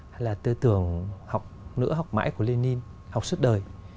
hay là tư tưởng học nữa học mãi của lê ninh học suốt đời